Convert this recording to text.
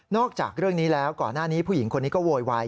จากเรื่องนี้แล้วก่อนหน้านี้ผู้หญิงคนนี้ก็โวยวาย